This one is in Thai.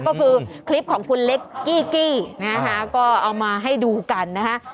ก็คือคลิปของคุณเล็กกี้กี้นะคะก็เอามาให้ดูกันนะคะ